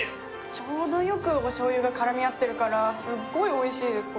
ちょうどよくお醤油が絡み合ってるからすっごいおいしいです